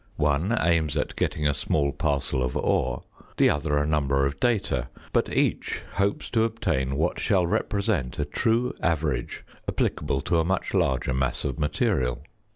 One aims at getting a small parcel of ore, the other a number of data, but each hopes to obtain what shall represent a true average applicable to a much larger mass of material.